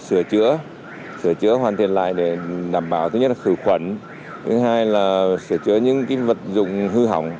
sửa chữa sửa chữa hoàn thiện lại để đảm bảo thứ nhất là khử khuẩn thứ hai là sửa chữa những vật dụng hư hỏng